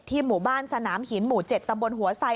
หมู่บ้านสนามหินหมู่๗ตำบลหัวไซ